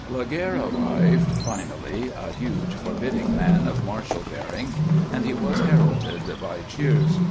Laguerre arrived, finally, a huge, forbidding man of martial bearing, and he was heralded by cheers.